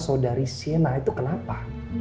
saudari siana itu kenapa